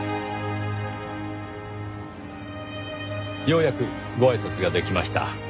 ようやくごあいさつができました。